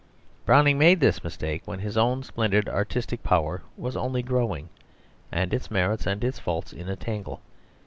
Browning made this mistake when his own splendid artistic power was only growing, and its merits and its faults in a tangle.